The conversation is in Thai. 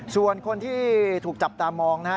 ส่วนคนที่ถูกจับตามองนะฮะ